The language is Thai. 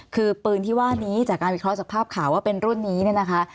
คือปืนที่ว่านี้จากการวิเคราะห์จากภาพข่าวว่าเป็นรุ่นนี้เนี่ยนะคะ